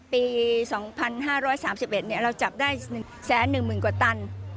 ปี๒๕๓๑เราจับได้๑๑๐๐๐กว่าตัน